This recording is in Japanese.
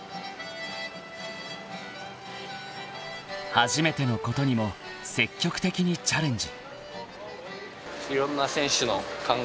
［初めてのことにも積極的にチャレンジ］